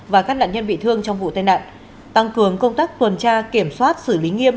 và các nạn nhân bị thương trong vụ tai nạn tăng cường công tác tuần tra kiểm soát xử lý nghiêm